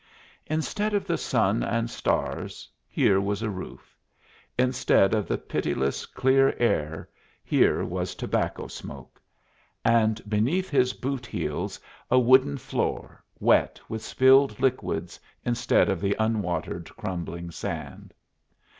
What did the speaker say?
Instead of the sun and stars, here was a roof; instead of the pitiless clear air, here was tobacco smoke; and beneath his boot heels a wooden floor wet with spilled liquids instead of the unwatered crumbling sand.